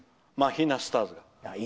マヒナスターズが。